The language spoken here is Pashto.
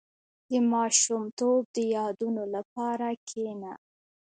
• د ماشومتوب د یادونو لپاره کښېنه.